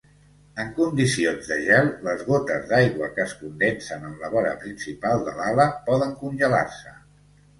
En condicions de gel, les gotes d'aigua que es condensen en la vora principal de l'ala poden congelar-se.